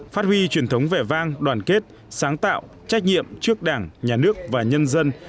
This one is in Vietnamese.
phát huy truyền thống vẻ vang đoàn kết sáng tạo trách nhiệm trước đảng nhà nước và nhân dân